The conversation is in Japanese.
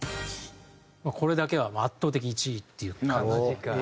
これだけは圧倒的１位っていう感じ。